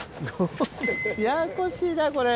ややこしいなこれ。